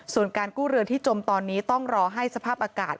ส่วนการกู้เรือที่จมตอนนี้ต้องรอให้สภาพอากาศ